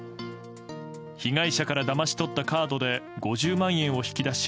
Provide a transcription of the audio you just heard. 被害者からだまし取ったカードで５０万円を引き出し